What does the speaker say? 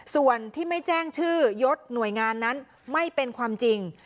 ส่วนที่ไม่แจ้งชื่อยศหน่วยงานนั้นไม่เป็นความจริง